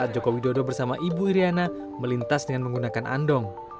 jodo bersama ibu iryana melintas dengan menggunakan andong